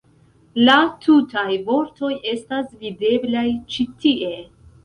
La tutaj vortoj estas videblaj ĉi tie.